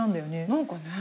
何かね。